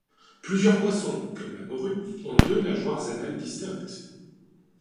Plusieurs poissons, comme la morue, ont deux nageoires anales distinctes.